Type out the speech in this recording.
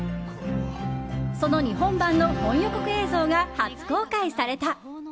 その日本版の本予告映像が初公開された。